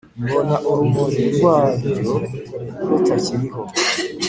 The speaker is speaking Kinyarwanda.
mbona urumuri rwaryo rutakiriho